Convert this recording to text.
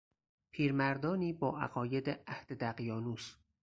پیرمردانی با عقاید عهد دقیانوس